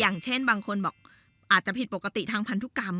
อย่างเช่นบางคนบอกอาจจะผิดปกติทางพันธุกรรม